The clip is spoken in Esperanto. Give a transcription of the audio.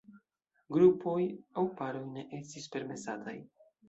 Grupoj aŭ paroj ne estis permesataj.